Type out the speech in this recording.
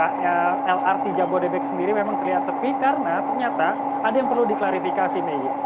dan lrt jabodebek sendiri memang terlihat tepi karena ternyata ada yang perlu diklarifikasi maggie